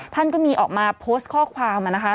ท่านก็มีออกมาโพสต์ข้อความนะคะ